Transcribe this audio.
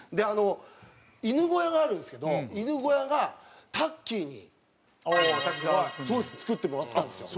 犬小屋があるんですけど犬小屋がタッキーに作ってもらったんですよ。